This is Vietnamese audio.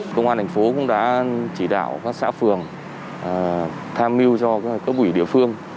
công an thành phố cũng đã chỉ đạo các xã phường tham mưu cho cấp ủy địa phương